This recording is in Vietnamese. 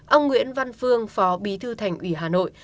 ông nguyễn văn phương phó bí thư thành ủy hà nội